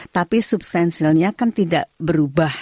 tapi substansialnya kan tidak berubah